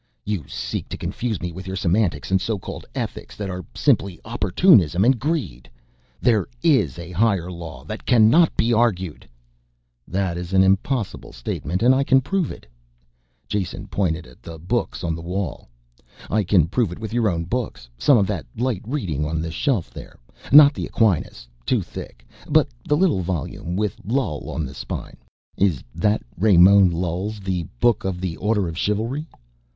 "You seek to confuse me with your semantics and so called ethics that are simply opportunism and greed. There is a Higher Law that cannot be argued " "That is an impossible statement and I can prove it." Jason pointed at the books on the wall. "I can prove it with your own books, some of that light reading on the shelf there. Not the Aquinas too thick. But the little volume with Lull on the spine. Is that Ramon Lull's 'The Booke of the Ordre of Chyualry'?"